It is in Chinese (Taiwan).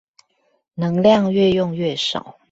能量愈用愈少